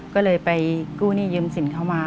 ก็เลยไปกู้หนี้ยืมสินเข้ามา